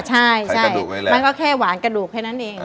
ใช่ใช่ใส่กระดูกไว้แหละมันก็แค่หวานกระดูกแค่นั้นเองอ่า